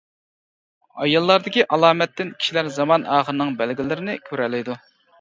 ئاياللاردىكى ئالامەتتىن كىشىلەر زامان ئاخىرىنىڭ بەلگىلىرىنى كۆرەلەيدۇ.